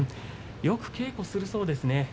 よく稽古するそうですね。